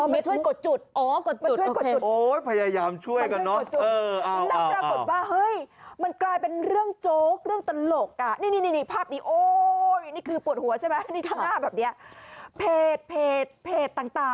เพจเพจต่างคุณผู้ชมเอามาล้อเล่นเอามาล้อเรียนน่ะ